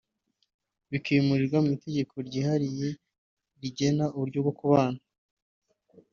Bikimurirwa mu itegeko ryihariye rigena uburyo bwo kubona